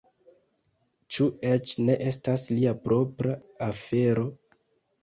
Ĉu eĉ ne estas lia propra afero?